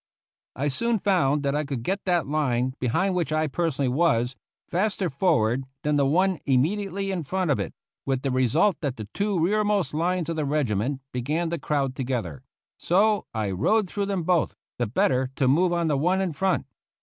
I soon found that I could get that line, behind which I personally was, faster forward than the one immediately in front of it, with the result that the two rearmost lines of the regiment began to crowd together ; so I rode through them both, the better to move on the one in front.